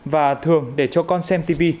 và thường để cho con xem tv